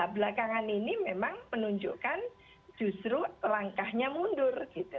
belakangan ini memang menunjukkan justru langkahnya mundur